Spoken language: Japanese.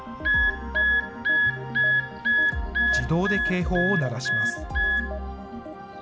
自動で警報を鳴らします。